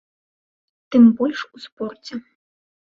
Тым больш у спорце.